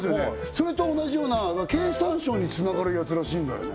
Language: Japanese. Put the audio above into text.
それと同じような経産省につながるやつらしいんだよね